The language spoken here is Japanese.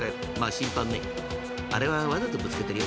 審判ねあれはわざとぶつけてるよ。